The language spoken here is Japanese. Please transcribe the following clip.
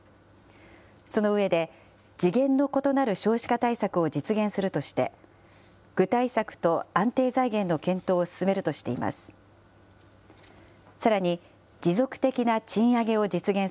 その上で、次元の異なる少子化対策を実現するとして、具体策と安定財源の検討を進めるとしています。